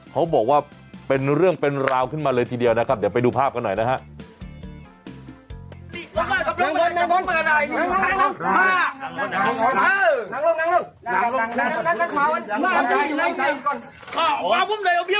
เขาบอกว่าเป็นเรื่องเป็นราวขึ้นมาเลยทีเดียวนะครับเดี๋ยวไปดูภาพกันหน่อยนะฮะ